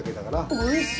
おいしい！